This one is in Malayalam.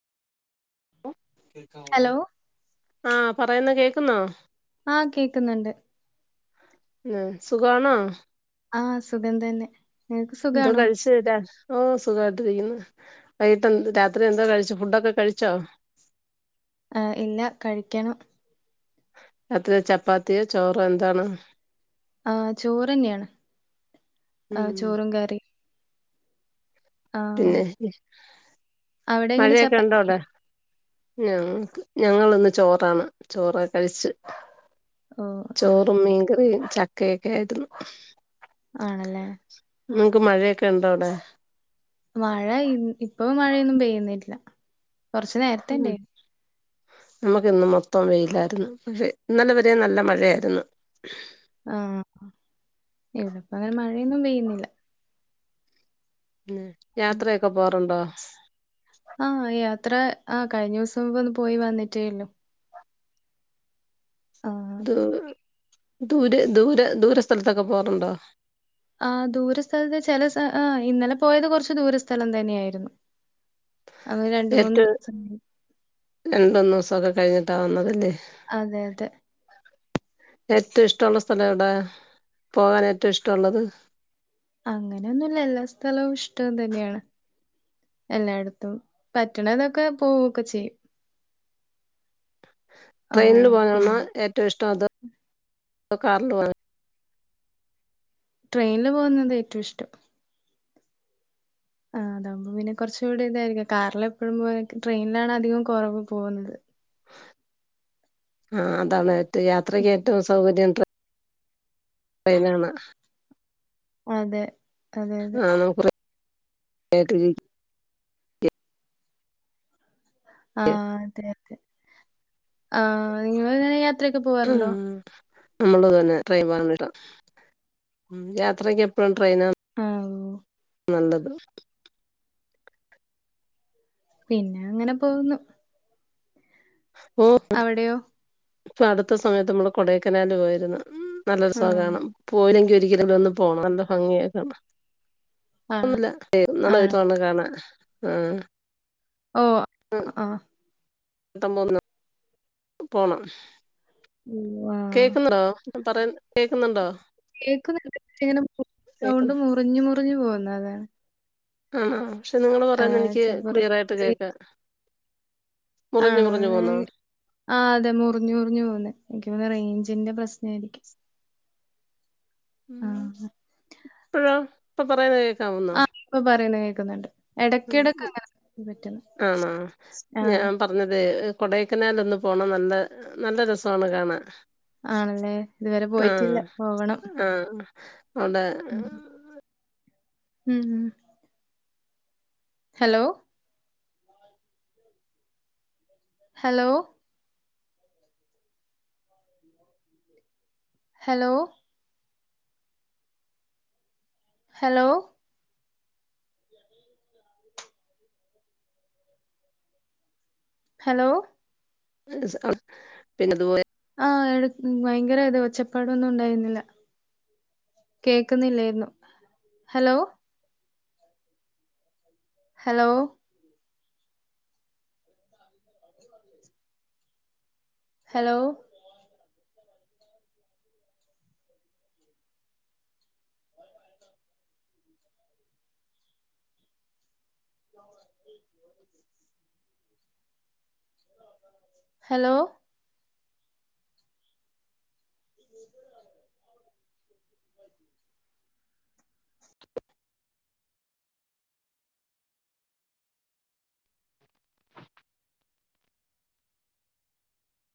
കേക്കാം ഹലോ? ആഹ് പറയുന്നേ കേക്കുന്നോ? ആഹ് കേക്ക്ന്ന്ണ്ട്. ഉം സുഖാണോ? ആഹ് സുഖം തന്നെ. നിനക്ക് എന്തോ സുഖാണോ? കയിച്ച് [unintelligible] ഓ സുഖവായിട്ടിരിക്കുന്ന് വൈട്ട് രാത്രി എന്താ കഴിച്ചേ ഫുഡൊക്കെ കഴിച്ചോ? ആഹ് ഇല്ല കഴിക്കണം. രാത്രി ചപ്പാത്തിയോ ചോറോ എന്താണ്? ആഹ് ചോറെന്ന്യാണ് ഉം ആഹ് ചോറും കറിം. പിന്നെ അവിടെ എങ്ങനെ മഴയൊക്കെയൊണ്ടോ ചപ്പാത്തി? അവ്ടെ? ഞങ്ങ് ഞങ്ങളിന്ന് ചോറാണ് ചോറൊക്കെ കഴിച്ച്. ഓ ആ, ചോറും മീന്കറിയും ചക്കയൊക്കെയായിര്ന്ന്. ആണല്ലേ. ങ്ങക്ക് മഴയൊക്കെണ്ടോ അവ്ടെ? മഴ ഇ ഇപ്പോ മഴയൊന്നും പെയ്യുന്നില്ല കൊറച്ച് നേരത്തേണ്ടേനി. നമ്മക്കിന്ന് മൊത്തോം വെയിലായിര്ന്ന് പക്ഷെ ഇന്നലെ വരെ നല്ല മഴയായിര്ന്ന്. ആഹ് ഇവിടെപ്പങ്ങനെ മഴയൊന്നും പെയ്യ് ണില്ല. ഉം യാത്രയൊക്കെ പോവാറ്ണ്ടോ? ആഹ് യാത്ര ആഹ് കഴിഞ്ഞൂസം മുമ്പ ഒന്ന് പോയി വന്നിട്ടേയൊള്ളു. ആഹ്. ദൂ ദൂരെ ദൂരെ ദൂര സ്ഥലത്തൊക്കെ പോവാറ്ണ്ടോ? ആഹ് ദൂരസ്ഥെലത്ത് ചെല സ ആഹ് ഇന്നലെ പോയത് കൊറച്ച് ദൂരസ്ഥലം തന്നെയായിര്ന്നു. ആപ്പ രണ്ട് മുന്ന് രണ്ടൂന്നോസൊക്കെ കഴിഞ്ഞിട്ടാ വന്നതല്ലേ. അതെ അതെ. ഏറ്റവും ഇഷ്ടവൊള്ള സ്ഥലം എവ്ടാ പോവാൻ ഏറ്റവും ഇഷ്ടവൊള്ളത്? അങ്ങന്യൊന്നുല്ല എല്ലാ സ്ഥലവും ഇഷ്ടം തന്ന്യാണ്. എല്ലായിടത്തും പറ്റണ ഇതൊക്കെ പോവൊക്കെ ചെയ്യും ആ ട്രെയിനിൽ പോണതാണോ പിന്നെ ഏറ്റവും ഇഷ്ട അത് കാറിൽ പോ ട്രെയിനിില് പോകുന്നത് ഏറ്റവും ഇഷ്ടം ആ് അതാവുമ്പോൾ പിന്നെ കുറച്ചുകൂടി ഇതായിരിക്കും കാറിൽ എപ്പോഴും പോെ ട്രെയിനിലാണ് അധികം കുറവ് പോകുന്നത് ആഹ അതാണ് ഏറ്റവും യാത്രയ്ക്ക് ഏറ്റവും സൗകര്യ ട്രൈയ് ട്രൈയ്നാണ് അതെ അതെ അതെ ആഹ നമ്മുറ [unintelligible] ആഹ അതെ അതെ ആഹ നിങ്ങങ്ങനെ ഉം നമ്മൾ തന്നെ ട്രെയിൻ പോകൻട്ട [unintelligible] യാത്രക്ക് എപ്പോഴും ട്രെയിൻ ആഹ നല്ലത് പിന്നെ അങ്ങനെ പോകുന്നു ഓ അവിടെയോ ഇൊ അടുത്ത സമയത്ത് നമ്മള് കൊടൈക്കനാല് പോയിരുന്നു ഉ നല്ലൊരു ആ സുഖണം പോയില്ലെങ്കിൽ ഒരിക്കലും ഒന്ന് പോണം നല്ല ഭംഗിയൊക്കാണ് ആ ഒന്ന ആണോ നല്ലതിപ്പ കാണാ ആഹ ആ പട്ടം മൂന്ന് പോണം [unintelligible] ഓ ആ കേക്കുന്നുണ്ടോ ഞാൻ പറയൻ കേക്കുന്നുണ്ടോ കേക്ക ഇങ്ങനൌണ്ട് കേക്കുന്നു മുറിഞ്ഞഞ് മുറിഞ്ഞു പോകുന്ന അതാണ് ആണ പക്ഷെ നിങ്ങള് പറയാൻ ആഹ് എനിക്ക് ചെലപ്പോ റേ ക്ലിയർ ആായിട്ട് കേക്ക ആണോ ആ അതെ മുറിഞ്ഞഞ് മുറിഞ്ഞു പോന്ന എനിക്ക്ന്നെ റേഞ്ചിന്റെ പ്രശ്ന ആയിരിക്കും ഉ ആഹ് ഇപ്പോഴാ ഇപ്പൊ പറയുന്നത് കേൾക്കാവുന്നോ ആഹ് ഇപ്പൊ പറയുന്ന കേക്കുന്നുണ്ട് ഇടക്കിടക്ക് അങ്ങനെ പറ്റുന്നു ആണോ ആ ഞാൻ പറഞ്ഞത് കൊടക്കനാൽ ഒന്ന് പോണം നല്ല നല്ല രസമാണ് കാണാ ആണല്ലേ? ഇതുവരെ പോയിട്ടില്ല. ആഹ് പോവണം. ആഹ് അവ്ടെ ഉം ഉം ഉം ഹെലോ ഹലോ ഉ ഹലോ ഹലോ ഹലോ [unintelligible] പിന്നെതുപോലെ ആഹ് എ ഭയങ്കര ഇത് ഒച്ചപ്പാടൊന്നും ഉണ്ടായുന്നില്ല കേക്കുന്നില്ലെയ്ന്നു ഹലോ ഹെലോ ജിവ്വ്വ് ഹലോ ആ ഹലോ ആഹ്മ് ഇജ്ജ്